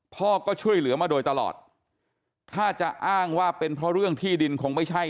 พ่อก็ช่วยเหลือมาโดยตลอดถ้าจะอ้างว่าเป็นเพราะเรื่องที่ดินคงไม่ใช่